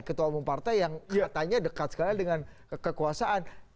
ketua umum partai nggak ada urusan